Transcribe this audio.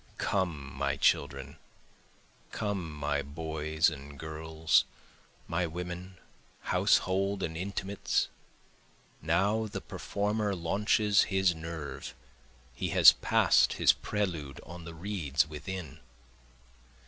Come my children, Come my boys and girls, my women, household and intimates, Now the performer launches his nerve, he has pass'd his prelude on the reeds within.